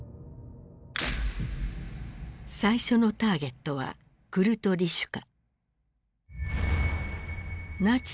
最初のターゲットはクルト・リシュカ。